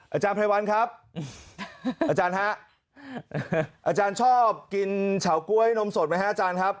อาจารย์ไพรวัลครับอาจารย์ฮะอาจารย์ชอบกินเฉาก๊วยนมสดไหมฮะอาจารย์ครับ